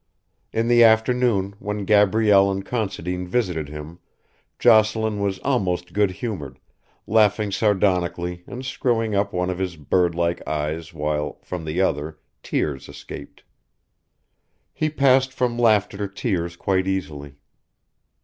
In the afternoon when Gabrielle and Considine visited him Jocelyn was almost good humoured, laughing sardonically and screwing up one of his bird like eyes while, from the other, tears escaped. He passed from laughter to tears quite easily.